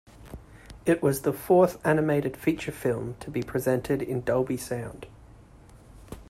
It was the fourth animated feature film to be presented in Dolby sound.